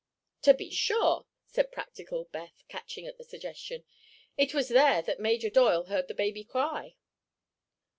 "To be sure," said practical Beth, catching at the suggestion; "it was there that Major Doyle heard the baby cry."